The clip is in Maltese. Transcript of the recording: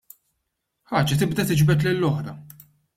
Ħaġa tibda tiġbed lill-oħra.